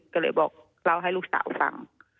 ก็เลยบอกเล่าให้ลูกสาวฟัง